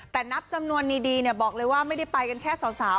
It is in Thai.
แต่นับจำนวนดีบอกเลยว่าไม่ได้ไปกันแค่สาว